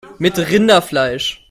Mit Rinderfleisch